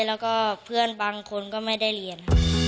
แล้วก็เพื่อนบางคนก็ไม่ได้เรียนค่ะ